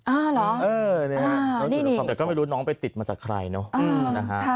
อ้าวเหรอนี่นะครับน้องอยู่ในครอบครมแต่ก็ไม่รู้น้องไปติดมาจากใครเนอะ